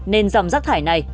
nên dòng rác thải này